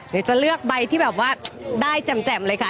เดี๋ยวจะเลือกใบที่แบบว่าได้แจ่มเลยค่ะ